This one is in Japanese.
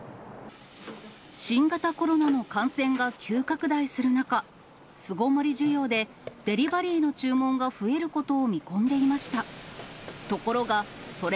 新型コロナの感染が急拡大する中、巣ごもり需要でデリバリーの注文が増えることを見込んでいました。